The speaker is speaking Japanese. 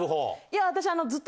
いや私。